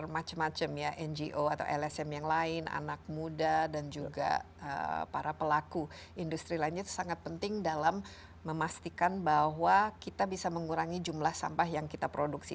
macam macam ya ngo atau lsm yang lain anak muda dan juga para pelaku industri lainnya itu sangat penting dalam memastikan bahwa kita bisa mengurangi jumlah sampah yang kita produksi